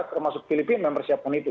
termasuk filipina yang persiapkan itu